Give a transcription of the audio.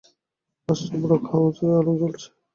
পাঁচটা ব্লক হাউসেই আলো জ্বলছে।